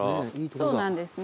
そうなんですね。